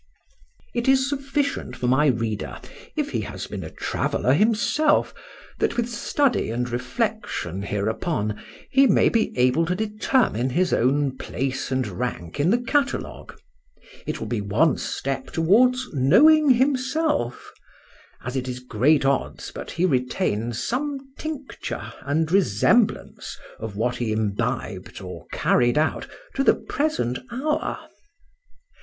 It is sufficient for my reader, if he has been a traveller himself, that with study and reflection hereupon he may be able to determine his own place and rank in the catalogue;—it will be one step towards knowing himself; as it is great odds but he retains some tincture and resemblance, of what he imbibed or carried out, to the present hour.